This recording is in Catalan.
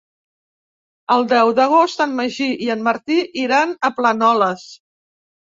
El deu d'agost en Magí i en Martí iran a Planoles.